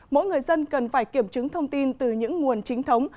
mỗi người dân cần phải kiểm chứng thông tin từ những nguồn chính thống